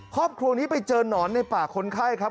ครอบครัวนี้ไปเจอหนอนในป่าคนไข้ครับ